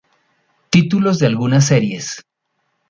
Títulos de algunas series